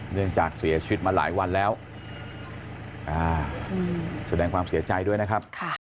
เนื่องจากเสียชีวิตมาหลายวันแล้วแสดงความเสียใจด้วยนะครับ